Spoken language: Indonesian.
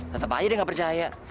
tetap aja dia nggak percaya